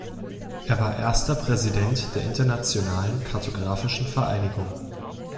Er war erster Präsident der Internationalen Kartographischen Vereinigung.